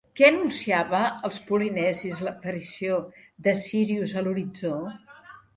Què anunciava als polinesis l'aparició de Sírius a l'horitzó?